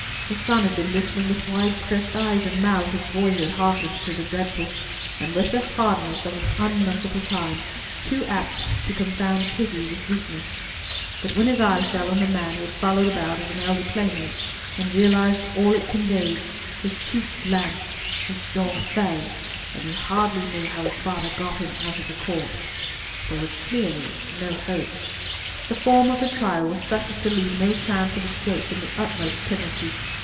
His son had begun listening with wide stretched eyes and mouth, as boyhood hearkens to the dreadful, and with the hardness of an unmerciful time, too apt to confound pity with weakness; but when his eye fell on the man he had followed about as an elder playmate, and realised all it conveyed, his cheek blanched, his jaw fell, and he hardly knew how his father got him out of the court. There was clearly no hope. The form of the trial was such as to leave no chance of escape from the utmost penalty.